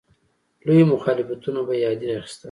لوی مخالفتونه به یې عادي اخیستل.